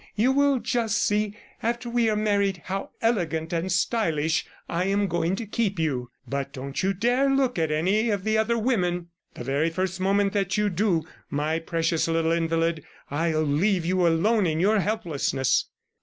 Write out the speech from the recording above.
You will just see, after we are married, how elegant and stylish I am going to keep you. But don't you dare to look at any of the other women! The very first moment that you do, my precious little invalid, I'll leave you alone in your helplessness!"